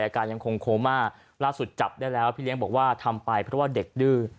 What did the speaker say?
อาการยังคงโคม่าล่าสุดจับได้แล้วพี่เลี้ยงบอกว่าทำไปเพราะว่าเด็กดื้อ